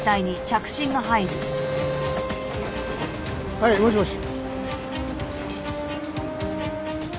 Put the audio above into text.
はいもしもし？